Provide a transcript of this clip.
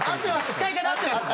使い方合ってます！